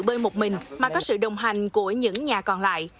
bơi một mình mà có sự đồng hành của những nhà còn lại